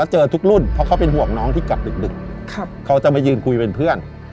เจอทุกรุ่นเพราะเขาเป็นห่วงน้องที่กลับดึกเขาจะมายืนคุยเป็นเพื่อน